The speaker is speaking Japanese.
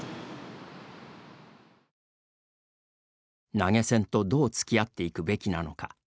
投げ銭とどうつきあっていくべきなのか。